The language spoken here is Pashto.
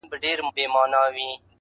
د ها بل يوه لكۍ وه سل سرونه-